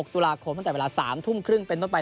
ตุลาคมตั้งแต่เวลา๓ทุ่มครึ่งเป็นต้นไป